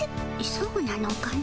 そうなのかの。